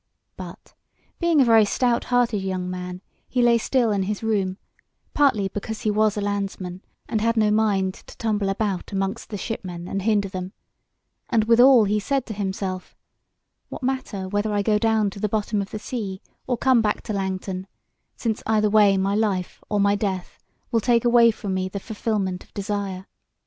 But, being a very stout hearted young man, he lay still in his room, partly because he was a landsman, and had no mind to tumble about amongst the shipmen and hinder them; and withal he said to himself: What matter whether I go down to the bottom of the sea, or come back to Langton, since either way my life or my death will take away from me the fulfilment of desire?